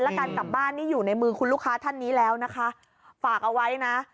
แล้วการกลับบ้านนี่อยู่ในมือคุณลูกค้าท่านนี้แล้วนะคะฝากเอาไว้นะ